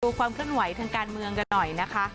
ความเคลื่อนไหวทางการเมืองกันหน่อยนะคะ